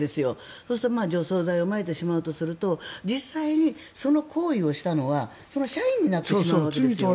そうすると除草剤をまいてしまうとすると実際にその行為をしたのは社員になってしまうわけです。